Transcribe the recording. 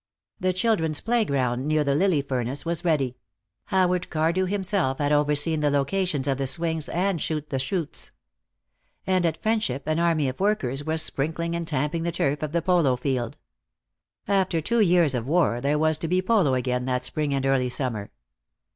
The children's playground near the Lily furnace was ready; Howard Cardew himself had overseen the locations of the swings and chute the chutes. And at Friendship an army of workers was sprinkling and tamping the turf of the polo field. After two years of war, there was to be polo again that spring and early summer.